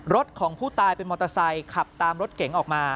ของผู้ตายเป็นมอเตอร์ไซค์ขับตามรถเก๋งออกมา